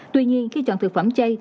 tuy nhiên khi chọn thực phẩm chay